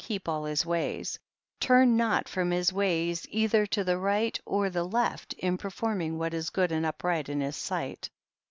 keep all his ways ; turn not from his ways either to the right or the left in performing what is good and up right in his sight.